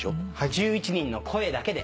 １１人の声だけで。